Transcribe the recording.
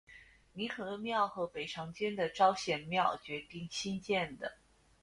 凝和庙和北长街的昭显庙决定兴建的。